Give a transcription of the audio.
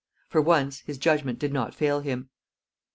For once, his judgment did not fail him.